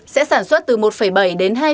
sẽ sản xuất từ một bảy đến hai năm